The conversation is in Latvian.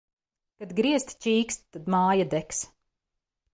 Kad griesti čīkst, tad māja degs.